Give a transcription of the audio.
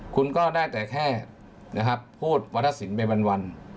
คุณก็ได้แต่แค่นะครับพูดวัฒนศิลป์ไปวัน